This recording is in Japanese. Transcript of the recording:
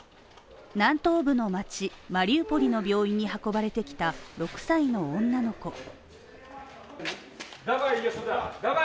南東部の町、マリウポリの病院に運ばれてきた６歳の女の子。